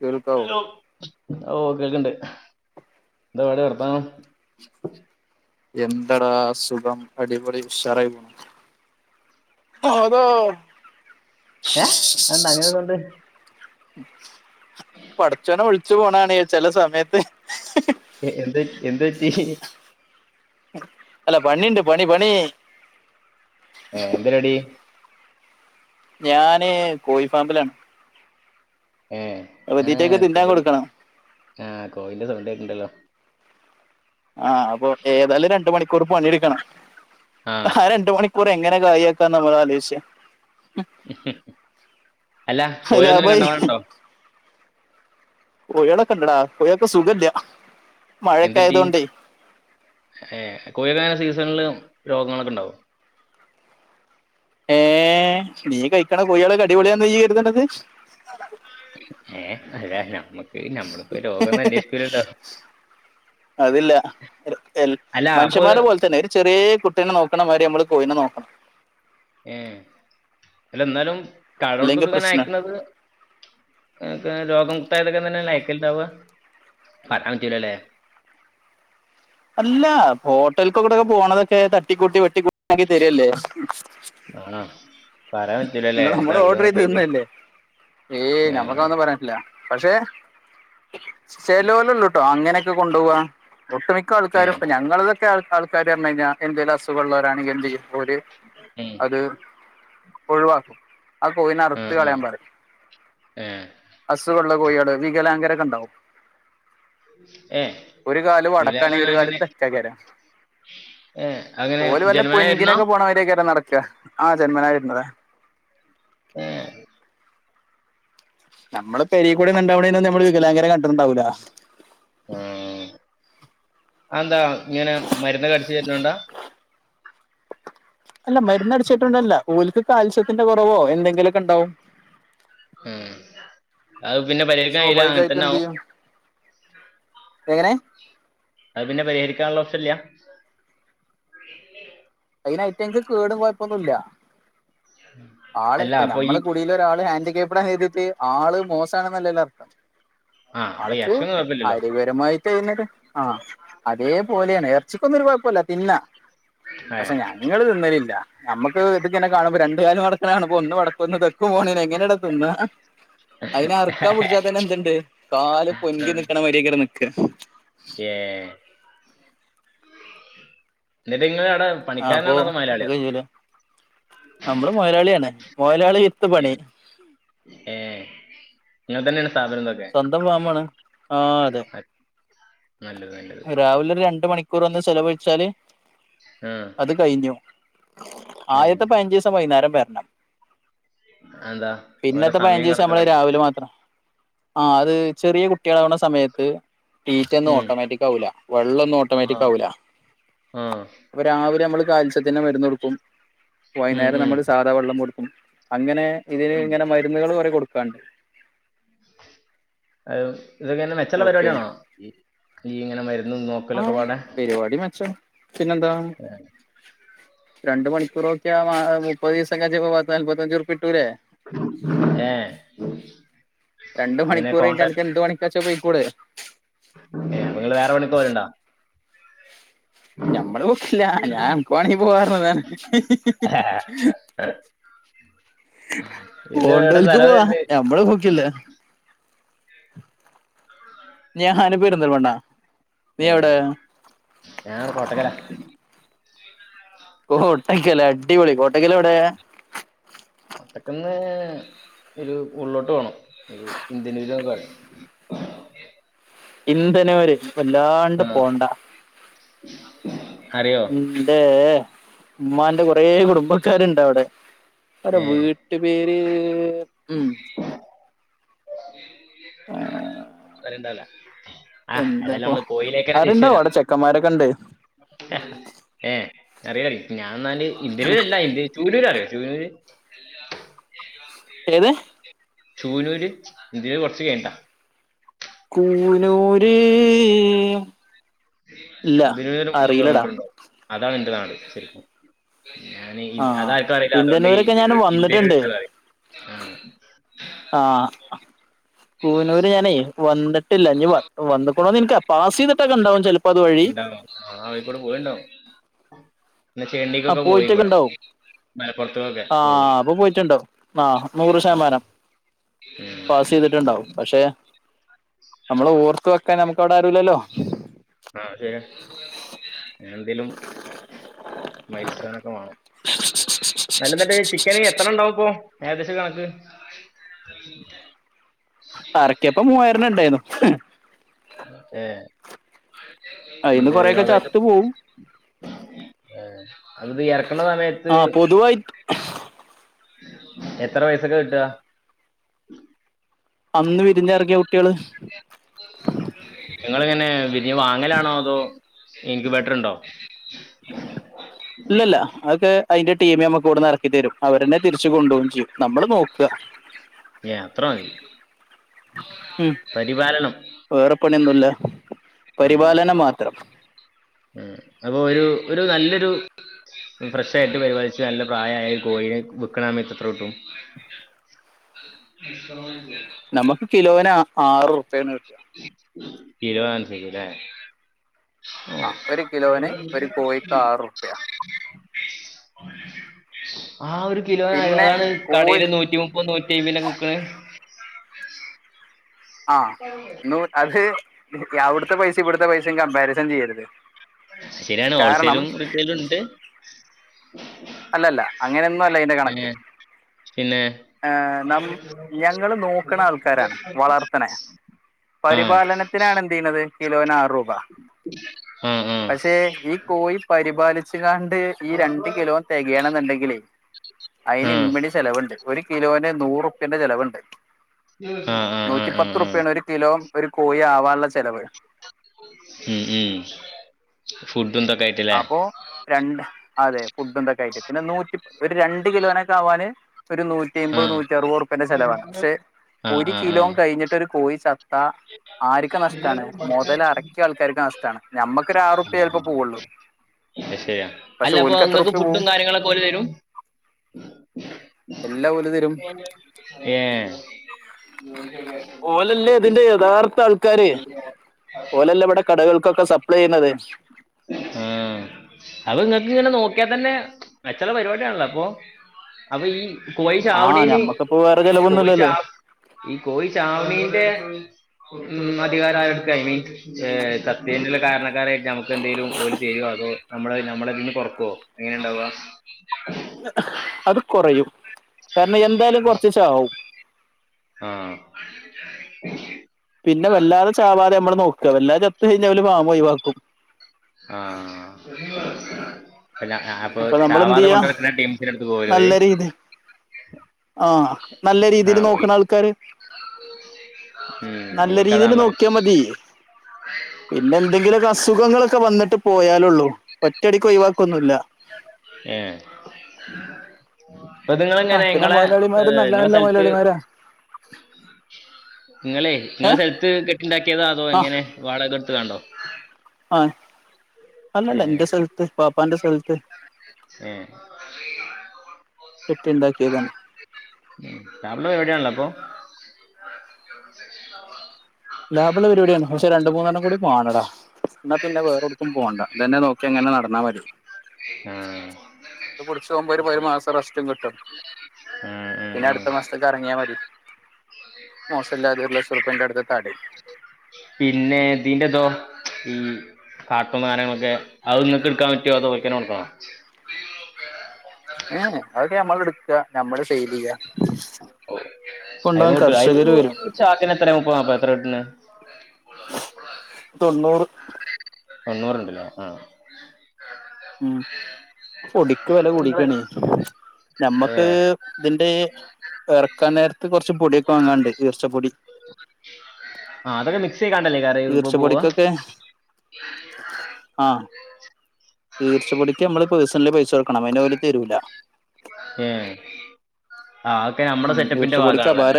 കേൾക്കാവൊ ഓ കേക്ക്ണ്ട് എന്താ ആടെ വർത്താനം എന്തെടാ സുഖം അടിപൊളി ഉഷറായിപോണ് അലോ ഏ എന്താ അങ്ങനെ കൊണ്ട് പടച്ചോനെ വിളിച്ചു പോണാണ് ചെല സമയത്ത് എ എന്തേ എന്തെറ്റി അല്ല പണിണ്ട് പണി പണി ഏ എന്താരടി ഞാന് കോഴിഫാമിലാണ് ഏഹ് തീറ്റയൊക്കെ ആഹ് തിന്നാൻ കോയി കൊടുക്കണം ആ കോയിന്റെ സൗണ്ട്കേക്ക്ണ് ണ്ട് ല്ലോ ആഹ് അപ്പൊ ഏതായാലും രണ്ട് മണിക്കൂർ പണിയെടുക്കണം ആ ആരണ്ട് മണി ക്കൂർ എങ്ങനെ കായ് ആക്കാന്ന് നമ്മളാലോജി ആഹ് അല്ല കോഴി ഒന്നും ലാഭായി കണ്ടമാനണ്ടോ കോഴിയേള്ക്കെണ്ടടാ കോഴിയേക്ക് സുഖല്ല എന്തറ്റി ഏ കോഴിന്റെ സീസണില് രോഗങ്ങളൊക്കെണ്ടാവും ഏ നീ കഴിക്കണ കോഴിയേള്ക്കെ അടിപൊളിയാന്ന നീ കരുത്ണത് ഏഹ് അതാ നമ്മക്ക് നമ്മളിപ്പോ രോഗൊന്നും അന്നെഷികൂലല്ലോ അതില്ല എൽ അല്ല അപ്പൊ മനുഷ്യന്മാരെ പോലെ തന്നെ ചെറ്യേകുട്ടിനെ നോക്കണമാതിരി നമ്മള് കോയിനെ നോക്കണം ഏഹ് അല്ലന്നാലും ഇല്ലെങ്കിൽ കടേള്കൊക്കെങ്ങനെ പ്രശ്നം അയക്കണത് ഇത് രോഗപേതായതൊക്കെ തന്നെഅല്ലെ അയക്കല്ണ്ടാവാ പറയാം പറ്റൂലല്ലേ അല്ലാ ഹോട്ടൽകൊക്കെ പോണതൊക്കെ തട്ടിക്കൂട്ടി വെട്ടിക്കൂട്ടിആക്കി തരല്ലേ ആഹ് പറയാൻ പറ്റൂലല്ലേ നിങ്ങൾ നമ്മൾ ഓർഡർ ചെയ്ത് എന്താള്ന്നക്കയില് തിന്നല്ലേ ഏയ് നമ്മക്കതൊന്നും പറയാറ്റില്ല പക്ഷെ ചെലേലൊള്ളുട്ടോ അങ്ങനെക്കെ കൊണ്ടോവാ ഒട്ട്മിക്ക ക്ക ഏ ആൾക്കാരും ഇപ്പ ങ്ങള്തൊക്കെ ക്കാൾക്കാരുപറഞ്കയ്ഞാ എന്തേലും അസുഖള്ളവരാണങ്കി എന്തിയും ഓര് ഉം അത് ഒഴിവാക്കും ആ കോഴ്ളേ ആ അറുത്ത് ആ കളയാം പറേം ഏ അസുഖള്ളകോഴ്ള് വികലാങ്കരൊക്കെണ്ടാവും ഏഹ് [unintelligible] ഒരുകാല തച്ചകര ഏ അങ്ങനെ ഓലു വല്ല ജന്മന വരുന്നോ പൊൻഗിനൊക്കെ പോയി പോണമാരിയൊക്കെയാട്ട് നടക്ക ആ ജന്മനാവര്ന്നത ഏഹ് നമ്മള് പെരേകുടിന്ന്ണ്ടാവണീനൊന്നും നമ്മള് വികലാംഗരെ കണ്ടിട്ട്ണ്ടാവില്ല ഉം അതെന്താ ഇങ്ങനെ മര്ന്നൊക്കെ അടിച്ച്കയ്റ്റ്ണോണ്ടാ അല്ല മര്ന്ന് അടിച്ചിട്ടോണ്ടല്ല ഓൽക്ക് കാൽസ്യത്തിന്റെ കൊറവോ എന്തെങ്കിലുക്കെണ്ടാവും ഉം അത് പിന്നെ പരിഹരിക്കായീല അങ്ങനെ സ്വാഭാവികമായിട്ടും എന്ത് തന്നാവും ചെയ്യും എങ്ങനെ അത് പിന്നെ പരിഹരിക്കാനുള്ള ഓപ്ഷല്യ അയിനായിട്ട് എന്ക്ക് കേടും കൊയപ്പൊന്നും ഇല്ല ആള് അല്ല ഇപ്പ അപ്പൊ ഈ ഞമ്മളെ കുടീലൊരാള് ഹാൻഡികാപ്പ്ടായത് ആള് മോശമാണെന്നല്ലല്ലാ അർത്ഥം ആ അപ്പൊ ഈ ആൾക്ക് ഇറച്ചിയൊന്നും കുഴപ്പമില്ലല്ലോ ആരോഗ്യപരമായി ആഹ് അതേപോലെയാണ് എറച്ചിക്കൊന്നും ഒരു കുഴപ്പല്ല തിന്നാ ഏ പക്ഷെ ഞങ്ങള് തിന്നലില്ല നമ്മുക്ക് ഇതൊക്കന്നെ കാണുമ്പ രണ്ടു കാലു മടക്കണ കാണുമ്പോ ഒന്ന് വടക്കും ഒന്ന് തെക്കും പോണേനെ എങ്ങനേടാ തിന്ന അയിനെ അറുക്കാൻ പിടിച്ചാ തന്നെന്തുണ്ട് കാല് പൊങ്കി നിക്കണ മാരിയങ്ങന നിക്ക ഏഹ് എന്നിട്ട്ങ്ങള അടെ അപ്പൊ പണിക്കാരനാണോ അതോ അത് മൊയലാളിയോ കയ്യൂല നമ്മള് മൊയലാളിയാണ് മൊയലാളി ഏഹ് ഏഹ് നിങ്ങളെ തന്നെയാണോ സ്ഥാപനംന്നൊ സ്വന്തം ഫാമാണ് ആഹ് അതെ അ- നല്ലത് നല്ലത് രാവിലെ ഒരു രണ്ടു മണിക് കൂറൊന്ന് ചെലവഴിച്ചാല് ഉം അത് കയിഞ്ഞു ആദ്യത്തെ പതിനഞ്ചിവസം വൈന്നേരം വരണം അതെന്താ ഓരോ പിന്നത്തെ സമയം പതിനഞ്ചിവസം നമ്മള് കണക്കൊക്കെ ഉണ്ടോ രാവിലെ മാത്രം ആഹ് അത് ചെറിയ കുട്ടികളാവ്ണ സമയത്ത് തീറ്റ ന്നും ഉം ഓട്ടോമാറ്റിക്കാവൂല്ല വെള്ളൊന്നും ഓ ആ ട്ടോമാറ്റിക്കാവൂല്ല ആ അപ്പ രാവിലെ മ്മള് കാൽസ്യത്തിൻ്റെ മരുന്നുകൊടുക്കും ഉം വൈന്നേരം ഉം നമ്മള് സാദാ വെള്ളം കൊടുക്കും അങ്ങനെ ഇതിന് ഇങ്ങനെ മരുന്നുകള് കൊറെ കൊടുക്കാണ്ട് ആഹ് ഇതൊക്കെ എന്ന മെച്ചൊള്ള ഓക്കെ പരിപാടിയാണോ നീ ഇങ്ങനെ മരുന്ന് നോക്കലൊക്കെ ആഹ് പാടെ പരിപാടി മെച്ചം പിന്നെന്താ ആഹ് രണ്ടു മണിക്കൂറുനോക്കിയാ ആ മുപ്പത് ദിവസം കഴിയുമ്പ പത്ത്നാല്പത്തഞ്ചുറുപ്യ ട്ടൂല്ലേ ഏ രണ്ട് ഇങ്ങനെ മണിക്കൂർ കയിഞ്ഞിട്ട് കോണ്ടാക്ട് അനക്ക് എന്തു പണി ട്ടാച്ച പൊയ്ക്കൂടേ നിങ്ങള് വേറെ പണിക്ക് വരുണ്ടാ ഞമ്മള് പൊക്കില്ല ഞാൻ എണിക്വാണെങ്കി പോവാറുന്നതാ ഇത് എവിടെ പോണ്ടോല്ക്ക് സ്ഥലം പോവാ വരുന്നത് ഞമ്മള് പൊക്കില്ല ഞാന് പെരിന്തൽമണ്ണ നീ എവിടെ ഏഹ് ഞാ അവടെ കോട്ടക്കലാ കോട്ടയ്ക്കല അടിപൊളി കോട്ടക്കലെവിടെയാ കോട്ടക്കന്ന് ഒരു ഉള്ളോട്ട് പോണം ഒരു ഇന്ദിനൂര്ന്ന് പറയും ഇന്ദനൂര് വല്ലാണ്ട് ആ പോണ്ട അറിയോ ഇന്റെ ഉമ്മാൻ്റെ കുറേ കുടുംബക്കാരുണ്ടവിടെ അവരെ ഏ വീട്ടുപേര് ഉം ആരുണ്ടാവല്ല എന്താ അപ്പൊ ആരുണ്ടാവോ അവിടെ ചെക്കന്മാരൊക്കെ ണ്ട് ഏഹ് അറിയറിയാ ഞാൻ ന്നാല് ഇന്ദരൂര്ല്ല ചൂനൂര് അറിയോ ചൂനൂര് ഏത് ചൂനൂര് ഇന്ദിനൂര് കുറച്ച് കഴിഞ്ഞ്ട്ടാ കൂനൂര് ഇല്ല ഇതിനൊരു മൂന്ന് അറിയില്ലടാ കിലോമീറ്റർ ഉണ്ടാവും അതാണ് എൻ്റെ നാട് ശരിക്കും ഞാൻ ഇ അത് ആഹ് ആർക്കും അറിയില്ല അതുകൊണ്ട് ഇ ഇന്ത്യന്നൂരൊക്കെ ഞാൻ ഇന്ത്യ വന്നിട്ടുണ്ട് വിട്ട് പറയും [inaudible] കൂവനൂര് ഞാനേ വന്നിട്ടില്ല ഇനി വന്നൊണ്ടന്ന് നിനാ പാസ് ചെയ്തിട്ടൊക്കെ ഉണ്ടാവും ചിലപ്പോ അത് വഴി ഉണ്ടാവോ ആഹ് ആയിക്കൂടെ പോയിണ്ടാവോ പിന്ന ആ ചേണ്ടീക്കൊക്കെ പോയിട്ടൊക്കെ പോയിക്കൂടെ ഉണ്ടാവും മലപ്പുറത്തൊക്കെ ആഹ് അപ്പൊ പോയിട്ടുണ്ടോ ആഹ് നൂറ് ഉം. ശതമാനം പാസ് ചെയ്തിട്ടുണ്ടാവും പക്ഷെ [inaudible] നമ്മള് ഓർത്ത് വെക്കാൻ നമ്മൾക്ക് അവിടെ ആരുല്ലല്ലോ ആഹ് ശേരിയനെഎന്തേലും മൈൽസഖാനൊക്കെമാണോ അല്ലനിണ്ടെ ചിക്കന് എത്ര ഉണ്ടാവും ഇപ്പോ ഏകദേശ കണക്ക് അറക്കിയപോ മൂവായിരന ഉണ്ടായിരുന്നു ഏഹ് അയിന്ന് കൊറെയൊക്കെ എന്തരോഗയി ചത്തു പോവും ആഹ് അത് ഇത് അറക്കണ സമയത്ത് ആഹ് പൊതുവായി എത്ര പൈസക്ക കിട്ടുക അന്ന് വിരിഞ്ഞറങ്ങിയ കുട്ടികള് നിങ്ങളിനെ വിരിഞ്ഞ് വാങ്ങലാണോ അതോ ഇൻങ്കിബെറ്റർണ്ടോ [inaudible] ഇല്ലല്ല അതൊക്കെ അതിന്റെ ടീമി നമ്മുക്ക് ഇവിടെന്ന് ഇറക്കി തരും അവര് തന്നെ തിരിച്ച് കൊണ്ട് പോകയും ചെയ്യും നമ്മള് നോക്കുക യെഅത്ര മതി ഉം പരിപാലനം വേറെ പണിയൊന്നുല്ല ഉം പരിപാലനം മാത്രം ഉം അപ്പൊ ഒരു ഒരു നല്ലൊരു ഫ്രഷ് ആയിട്ട് പരിപാലിച്ച് നല്ല പ്രായമായ കോഴിനെ വിൽക്കണമയാത്ത് എത്ര കിട്ടും [inaudible] നമ്മക്ക് കിലോന് ആറ് റുപിയാണ് കി - കിലോനുസരിച്ചല്ലേ ആഹ് ഒരു കിലോന് ഒരു കോഴിക്ക് ആറുപ്യ ആഹ് ഒരു കിലോന പിന്നെ അതാണ് കോഴി കാടെൽ നൂറ്റിമു- ഇപ്പ നൂറ്റിപതിനക്ക വിക്കണ് ആഹ് അന്നു അത് അവിടുത്തെ പൈസ ഇവിടുത്ത പൈസയും കമ്പാരിസൺ ചെയ്യരുത് കാരണം ലുണ്ട് അല്ലല്ല അങ്ങനെനൊന്നും അല്ല ഇതിന്റെ കണക്ക് ഏ പിന്നെ ആഹ് നമ്മ് ഞങ്ങള് നോക്കണ ആൾക്കാരാ വളർത്തന ആഹ് പരിപാലനത്തിനാണ് എന്ത് ചെയ്യുന്നത് കിലോന് ആറ് രൂപ ആഹ് ആഹ് പക്ഷെ ഈ കോയി പരിപാലിച്ചികാണ്ട് ഈ രണ്ട് കിലോ തികയാണെന്നുണ്ടെങ്കിലെ അയിന് ആഹ് ഇമ്മണി ചെലവുണ്ട് ഒരു കിലോന് നൂറുപ്പ്യന്റെ ചിലവുണ്ട് ആഹ് ആഹ് ആഹ് ആഹ് ആഹ് നൂറ്റിപ്പത്ത്റുപ്പ്യയാണ് ഒരു കിലോ ഒരു കോഴി ആവാനുള്ള ചെിലവ് ഉം ഉം ഫുഡിന്റെ കായി- അപ്പോ രണ്ട് അതെ ഫുഡ് എന്തൊക്കെ ആയിട്ട് പിന്നെ നൂറ്റിപ്പ ഒരു രണ്ട് കിലോനൊക്കെ ആവാന് ഒരു നൂറ്റി അമ്പത് ആഹ് നൂറ്റി അറുപത് റുപ്പേന്റെ ചെലവാണ് പക്ഷെ ആഹ് ഒരു ആഹ് കിലോം ആഹ് കഴിഞ്ഞിട്ട് ഒരു കോഴി ചത്ത് - ചത്താ ആരിക്ക് നഷ്ടണ് മുതല് ഇറക്കിയ ആൾക്കാരിക്ക് നഷ്ടണ് ഞമ്മക്ക് ഒരു ആറുപ്പ്യേ ചിലപ്പ പോവുള്ളു ആശേരിയ അല്ല അപ്പൊ നിങ്ങക്ക് റുപ്യ ഫുഡും പോവും കാര്യങ്ങളൊക്കെ ഓല് തരും എല്ലാം ഓല് തരും ഏഹ് ഓലല്ലേ ഇതിന്റെ [unintelligible] യഥാർത്ഥ ആൾക്കാര് ഓലല്ല ഇവിടെ കടകൾക്കൊക്കെ സപ്ലൈ ചെയ്യുന്നത് ആഹ് അപ്പൊ ഇങ്ങക്ക് ഇങ്ങനെ നോക്കിയാൽ തന്നെ മേച്ചള്ള പരിപാടിയാണല്ലോ അപ്പൊ അപ്പൊ ഈ കോയി ആ ചാവ്ണേന് ഞമ്മക്കിപ്പോ വേറെ കോയി ചെലവൊന്നുമില്ലല്ലോ ചാ ഈ കോയി ചാവണേന്റെ ഉം അധികാരം ആരിക്കായിന് ഏഹ് ചത്തെന്ള്ള കാരണക്കാരായിട്ട് നമ്മകന്തെലും ഓലി തരുവോ അതോ നമ്മള നമ്മളതിന്ന് കൊറക്കുവോ എങ്ങനെ ഉണ്ടാവുക ന്നെ അത് കുറയും കാരണം എന്തായാലും കുറച്ച് ചാവും ആഹ് പിന്നെ വല്ലാതെ ചാവാതെയമ്മള് നോക്കുക വല്ലാതെ ചത്ത് കഴിഞ്ഞാല് ഓല് ഫാമൊഴിവാക്കും ആഹ് [unintelligible] അപ്പൊ നമ്മൾ എന്ത് ചാവാതെ ചെയ്യാ കൊണ്ടടക്കുന്ന ടീംസിൻ്റെ അടുത്ത് പോവുലേ ഓല് ആഹ് നല്ല ആ രീതില് ഓൽ നോക്കണാൾക്കാര് ഉം നല്ല രീതിയില് ഓൽക്കതാണല്ലോ മെച്ചം നോക്കിയാമതി പിന്നെ എന്തെങ്കിലൊക്കെ അസുഖങ്ങളൊക്കെ വന്നിട്ട് പോയാലുള്ളൂ ഒറ്റടിക്ക് ഒഴിവാക്കൊന്നുല്ല ഏഹ് അപ്പൊ ഇത് ആ നിങ്ങളെങ്ങനെ പിന്നെ നിങ്ങളെ മുതലാളിമാര് ഏഹ് നല്ല നിങ്ങളെ നല്ല സ്ഥലത്ത് മുതലാളിമാരാ നിങ്ങളെ ഏ ങ്ങളെ സ്ഥലത്ത് കെട്ടിണ്ടാക്കിയതൊ അതോ ആ എങ്ങനെ വാടകെടുത്ത്കാണ്ടോ ആഹ് അതോന്നുഅല്ല ഇന്റെ സൽത്ത് വാപ്പാന്റെ സൽത്ത് ഉം കെട്ടിണ്ടാക്കിയതാണ് ഉം ലാഭള്ള പരിപാടിയാണല്ലേപ്പൊ [inaudible] ലാഭള്ള പരിപാടിയാണ് പക്ഷെ രണ്ടുമൂന്നെണ്ണം കൂടി മാണെടാ ന്നാ പിന്നെ വേറൊടുക്കും പോണ്ട ഇതന്നെ നോക്കി അങ്ങനെ നടന്നാ മതി ആ ഇത് പിടിച്ചോകുമ്പോ ഒരു പയ് മാസ റെസ്റ്റും കിട്ടും ആ, ആ, പിന്നെ ആ. അടുത്ത മാസത്തേക്കെറങ്ങിയാൽ മതി മോശല്ലാതെ ഒരു ലക്ഷം റുപ്പന്റെ അടുത്ത് തടിം [inaudible] പിന്നെ ഇതീന്റെതോ ഈഹ് കാട്ടും കാര്യങ്ങളൊക്കെ അത് ഇങ്ങക്ക്ട്ക്കാൻ പറ്റോ അതോക്കന്നെ കൊടുക്കണോ ഏ എ അതൊക്കെ നമ്മളെടുക്ക നമ്മള് സെയിലെയ്യാ കൊണ്ടാവാൻ കർഷകര് വരും ഒരു ചക്കിനെത്ര മുപ്പൊ നാപ്പൊ എത്രെ കിട്ടുന്നെ തൊണ്ണൂറ് തൊണ്ണൂറ്ണ്ട്ലെ ആഹ് ഉം പൊടിക്ക് വെല കൂടീക്കാണെ ഏ ഞമ്മക്ക് ഇതിന്റെ എറക്കാൻ നേരത്ത് കുറച്ച് പൊടിയൊക്കെ വാങ്ങാണ്ട് ഈർച്ചപ്പൊടി ആഹ് അതൊക്കെ മിക്സയ്ക്കാണ്ടല്ലേ ഇതിപ്പോ പോവ ഈർച്ചപ്പൊടിക്കൊക്കെ ആഹ് ഈർച്ചപൊടിക്ക് നമ്മള് പേഴ്സൺലി പൈസ ക്കണം അയ്ന് ഓല് തരൂല ഏഹ് ആഹ് അതൊക്കെ നമ്മളെ ഉം സെറ്റപ്പിന്റെ ഈർച്ചപ്പൊടിക്ക് ഭാഗാണല്ലോല്ലേ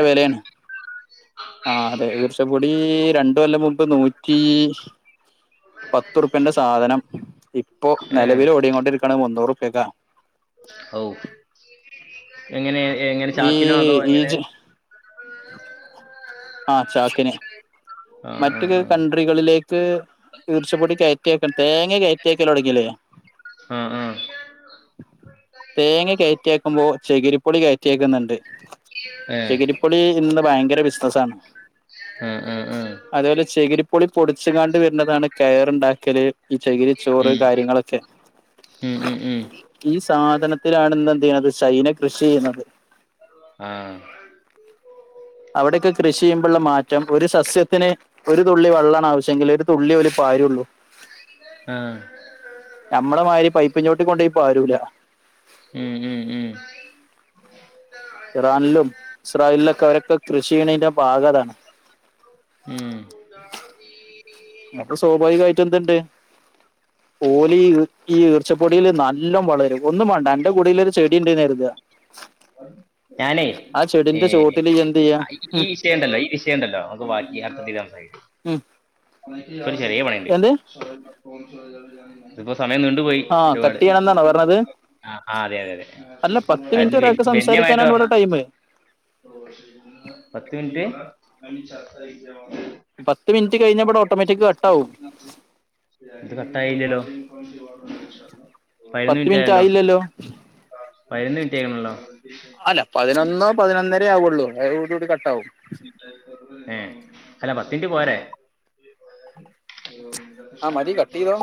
ആഹ് അതെ ഈർച്ചപ്പൊടീ രണ്ട് കൊല്ലം മുൻപ് നൂറ്റീ പത്ത്ർപ്പ്യന്റെ സാധനം ഇപ്പോ ഏ നെലവില് ഓടിക്കൊണ്ടിരിക്ക്ണെ മുന്നൂറുപ്യക്കാ ഹൗ എങ്ങനെ എങ്ങനെ ചാക്കിനോ അതോ എങ്ങനെ ആഹ് ചാക്കിന് അഹ് മറ്റ് കൺട്രികളിലേക്ക് ഈർച്ചപ്പൊടി കയറ്റിയ്ക്കണം തേങ്ങ കയറ്റിയ്ക്കല് തുടങ്ങിയല്ലോ ഞാൻ ആഹ് ആഹ് ആഹ് തേങ്ങ കെയറ്റിയക്കുമ്പോ ചെകിരിപ്പൊളി കെയറ്റിയാക്കുന്നുണ്ട് ഏഹ് പ്പൊളി ഇന്ന് ഭയങ്കര ബിസിനസ്സാണ് ആഹ് ആഹ് ആഹ് അത്പോലെ ചെകിരിപ്പൊളി പൊടിച്ച്ങ്ങാണ്ട് വെര്ണതാണ് കെയറ്ണ്ടാക്കല് ഈ ചകിരി ചോറ് ഏഹ് കാര്യങ്ങളൊക്കെ ഈ സാധനത്തിലാണ് ഇന്നെന്തെയ്യ്ണത് ചൈന കൃഷ്യെയ്യ്ണത് ആഹ് അവടെക്കെ കൃഷി ചെയ്യുംമ്പെള്ള മാറ്റം ഒരു സസ്യത്തിന് ഒര് തുള്ളി വള്ളാണ് ആവശ്യെങ്കില് ഒരു തുള്ളി ഓല് പാരൊള്ളൂ ആഹ് ഞമ്മളെ മായ്രി പൈപ്പിൻചോട്ടി കൊണ്ടാേയി പാരൂലാ ഉം ഉം ഉം ഉം ആഹ് ആഹ് ഉം ഉം ഉം ഇറാനിലും ഇസ്രായേൽലൊക്കെ അവരൊക്കെ കൃഷിയ്യ്ണേന്റെ ഭാഗതാണ് ഉം മുക്ക് സ്വാഭാവികായിട്ടും എന്ത്ണ്ട് [inaudible] ഓല് ഇ ഈ ഈർച്ചപ്പൊടീല് നല്ലോം വളരും ഒന്നും മാണ്ട അന്റെ കൂടീലൊരു ചെടിണ്ട്ന്നെര്താ ഞാനേ ആ ചെടിന്റെ ഏഹ് ചോട്ടിൽ ഇയ്യ് എന്ത് ചെയ്യാ ഐ ഉം ഈ വിഷയണ്ടല്ലോ ഈ വിഷയണ്ടല്ലോ നമ്ക്ക് ബാക്കി അത് സംസാരിക്കാ ഉം ച്ചൊര് ചെറ്യേ പണിണ്ട് എന്ത് ഇത്പ്പോ സമയം നീണ്ട്പോയി ആഹ് കട്ട്യ്യെെണംന്നാണോ പർഞ്ഞെത് ആഹ് ആഹ് അതെ അതെ അതെ അതെന്ന് ഒരാൾക്ക് വെന്യമായിട്ട് സംസാരിക്കാനാണ് ഇവിടെ പർഞ്ഞാ ടൈമ് പത്ത് മിൻറ്റ് പത്ത് മിൻറ്റ് കയ്ഞ്ഞാ ബടെ ഓട്ടോമാറ്റിക് കട്ടാവും ഇത് കട്ടായില്ല്യല്ലോ പയ്നൊന്ന് പത്ത് മിനിറ്റ് മിൻറ്റായല്ലോ ആയില്ലല്ലോ പയ്നൊന്ന് മിൻറ്റായ്ണല്ലോ അല്ല പതിനൊന്നോ പതിനൊന്നരേ ആവാെള്ളൂ അതോട് കൂടി കട്ടാവും ഏഹ് അല്ല പത്തിൻറ്റ് പോരെ ആഹ് മതി കട്ടെയ്തോ